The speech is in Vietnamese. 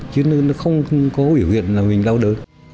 chứ nó không có biểu hiện là mình đau đớn